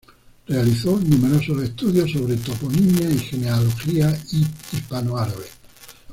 Realizó numerosos estudios sobre toponimia y genealogía hispanoárabe.